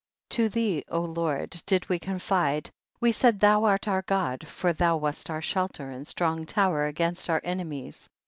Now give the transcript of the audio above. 5. To thee, O Lord, did we con fide ; we said thou art our God, for thou wast our shelter and strong tower against our enemies.